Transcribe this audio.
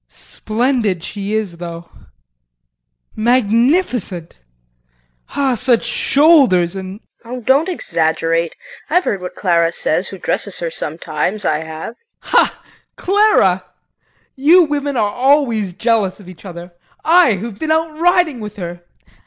Splendid she is though! Magnificent! Ah, such shoulders and KRISTIN. Oh, don't exaggerate. I've heard what Clara says who dresses her sometimes, I have. JEAN. Ha! Clara you women are always jealous of each other. I who've been out riding with her